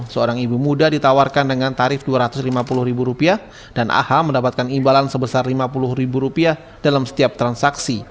seorang ibu muda ditawarkan dengan tarif dua ratus lima puluh ribu rupiah dan aha mendapatkan imbalan sebesar lima puluh ribu rupiah dalam setiap transaksi